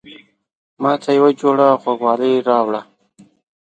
ماته يوه جوړه غوږوالۍ راوړه